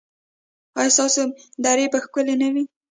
ایا ستاسو درې به ښکلې نه وي؟